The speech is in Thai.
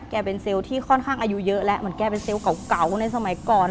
แกเป็นเซลล์ที่ค่อนข้างอายุเยอะแล้วเหมือนแกเป็นเซลล์เก่าในสมัยก่อน